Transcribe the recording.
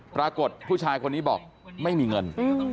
ปรากฏผู้ชายคนนี้บอกไม่มีเงิน